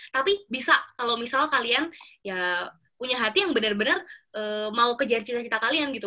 tapi bisa kalau misal kalian ya punya hati yang benar benar mau kejar cita cita kalian gitu